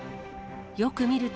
よく見ると、